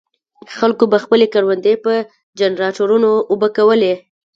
خلکو به خپلې کروندې په جنراټورونو اوبه کولې.